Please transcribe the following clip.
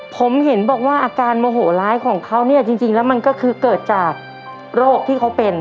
ผมเห็นบอกว่าอาการโมโหร้ายของเขาเนี่ยจริงแล้วมันก็คือเกิดจากโรคที่เขาเป็น